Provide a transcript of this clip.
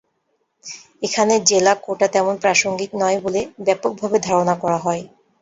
এখানে জেলা কোটা তেমন প্রাসঙ্গিক নয় বলে ব্যাপকভাবে ধারণা করা হয়।